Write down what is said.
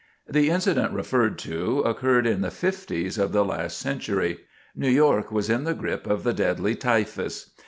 The incident referred to occurred in the fifties of the last century. New York was in the grip of the deadly typhus.